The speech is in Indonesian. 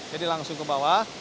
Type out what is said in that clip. jadi langsung ke bawah